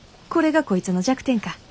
これがこいつの弱点か。